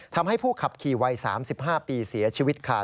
ทำให้ผู้ขับขี่วัย๓๕ปีเสียชีวิตค่ะ